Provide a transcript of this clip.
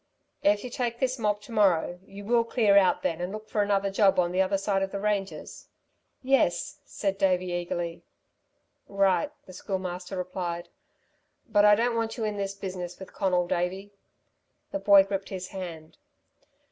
"If you take this mob to morrow, you will clear out then and look for another job on the other side of the ranges?" "Yes," Davey said eagerly. "Right," the Schoolmaster replied, "but I don't want you in this business with Conal, Davey." The boy gripped his hand.